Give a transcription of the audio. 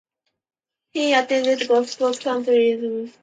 He attended Gosport County Grammar School and represented Hampshire Schools.